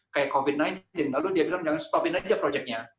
seperti covid sembilan belas lalu dia bilang jangan berhenti saja proyeknya